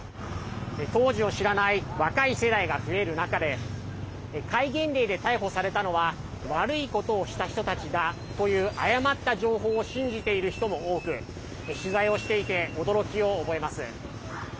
当時を知らない若い世代が増える中で戒厳令で逮捕されたのは悪いことをした人たちだという誤った情報を信じている人も多く取材をしていて驚きを覚えます。